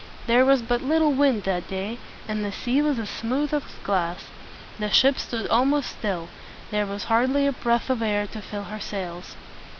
There was but little wind that day, and the sea was as smooth as glass. The ship stood almost still; there was hardly a breath of air to fill her sails.